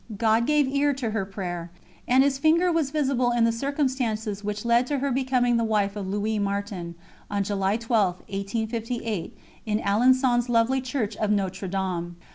God gave ear to her prayer, and His Finger was visible in the circumstances which led to her becoming the wife of Louis Martin, on July 12, 1858, in Alençon's lovely Church of Notre Dame.